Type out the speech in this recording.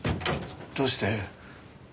どうして。